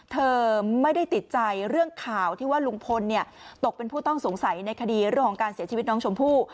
เธอไม่ได้ติดใจเรื่องข่าวที่ว่าลุงพลตกเป็นผู้ต้องสงสัยในคดีเรื่องของการเสียชีวิตน้องชมพู่